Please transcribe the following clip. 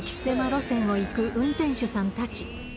路線を行く運転手さんたち。